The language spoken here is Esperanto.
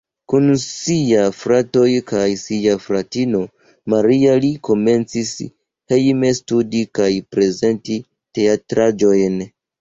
Kun siaj fratoj kaj sia fratino Maria li komencis hejme studi kaj prezenti teatraĵojn.